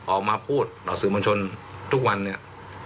ออกมาพูดต่อสื่อมวลชนทุกวันเนี่ย